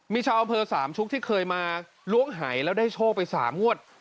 มีชาวอำเภอสามชุกที่เคยมาล้วงหายแล้วได้โชคไป๓งวด